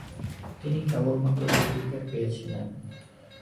তিনি কেবলমাত্র দুটি উইকেট পেয়েছিলেন।